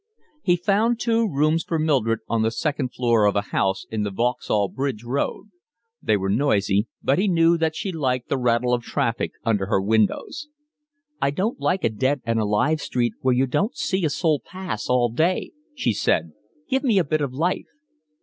He found two rooms for Mildred on the second floor of a house in the Vauxhall Bridge Road. They were noisy, but he knew that she liked the rattle of traffic under her windows. "I don't like a dead and alive street where you don't see a soul pass all day," she said. "Give me a bit of life."